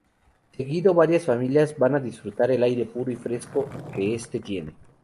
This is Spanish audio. Seguido varias familias van a disfrutar el aire puro y fresco que este tiene.